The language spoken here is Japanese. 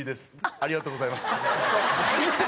ありがとうございます。